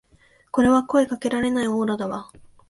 これは声かけられないオーラだわ